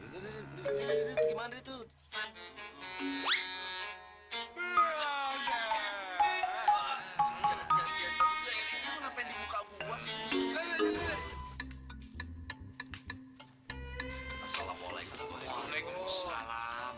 hai assalamualaikum waalaikum salam